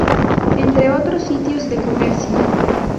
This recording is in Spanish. Entre otros sitios de comercio.